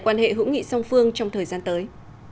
quan hệ hữu nghị song phương trong thời gian tới